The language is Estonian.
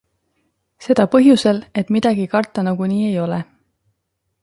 Seda põhjusel, et midagi karta nagunii ei ole.